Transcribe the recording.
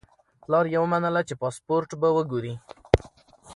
پلار یې ومنله چې پاسپورت به وګوري.